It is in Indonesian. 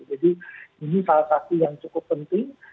jadi ini salah satu yang cukup penting